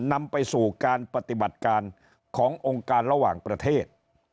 นำไปสู่การปฏิบัติการขององค์การระหว่างประเทศ